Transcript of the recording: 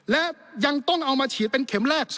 และยังต้องเอามาฉีดเป็นเข็มแรก